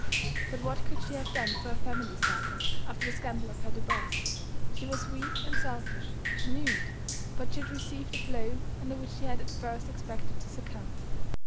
But what could she have done for her family circle, after the scandal of her divorce? She was weak and selfish, she knew it; but she had received a blow under which she had at first expected to succumb.